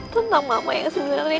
tentang mama yang sebenarnya